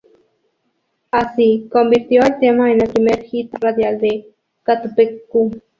Así, convirtió el tema en el primer hit radial de Catupecu.